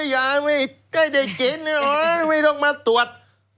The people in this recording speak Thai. อย่าให้เด็กกินไม่ต้องมาตรวจ